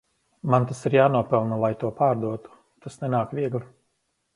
Man tas ir jānopelna lai to pārdotu, tas nenāk viegli.